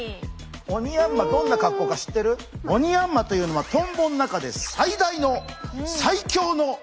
オニヤンマどんな格好か知ってる？オニヤンマというのはトンボの中で最大の最強のもっとも強いトンボです。